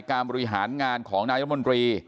บริหารงานของนายมนตรี